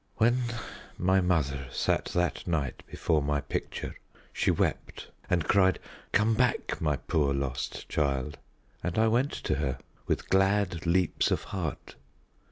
"When my mother sat that night before my picture she wept, and cried, 'Come back, my poor lost child!' And I went to her, with glad leaps of heart.